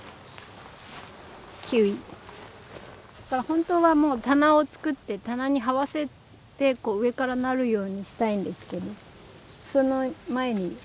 本当はもう棚を作って棚にはわせて上からなるようにしたいんですけどその前にもうなっちゃった。